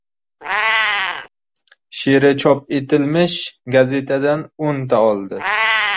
She’ri chop etilmish gazetadan o‘nta oldi!